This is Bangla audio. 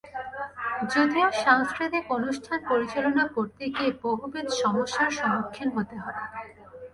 যদিও সাংস্কৃতিক অনুষ্ঠান পরিচালনা করতে গিয়ে বহুবিধ সমস্যার সম্মুখীন হতে হয়।